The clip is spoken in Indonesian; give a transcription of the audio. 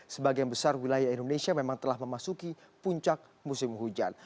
sebagian besar wilayah indonesia memang telah memasuki puncak musim hujan